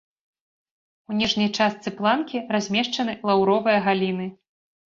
У ніжняй частцы планкі размешчаны лаўровыя галіны.